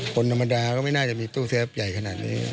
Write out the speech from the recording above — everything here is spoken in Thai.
คนธรรมดาก็ไม่น่าจะมีตู้เซฟใหญ่ขนาดนี้